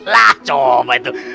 lah coba itu